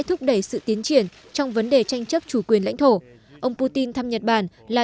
thúc đẩy sự tiến triển trong vấn đề tranh chấp chủ quyền lãnh thổ ông putin thăm nhật bản là